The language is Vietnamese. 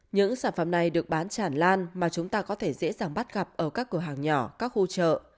những sản phẩm này được bán chản lan mà chúng ta có thể dễ dàng bắt gặp ở các cửa hàng nhỏ các khu chợ